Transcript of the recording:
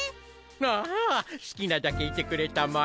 ああすきなだけいてくれたまえ。